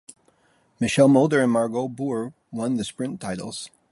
Michel Mulder and Margot Boer won the sprint titles.